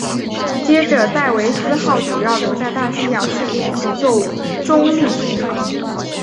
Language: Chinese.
接着戴维斯号主要留在大西洋训练及作中立巡航。